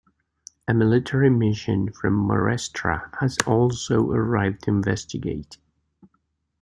A military mission from Morestra has also arrived to investigate.